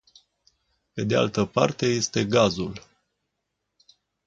Pe de altă parte este gazul.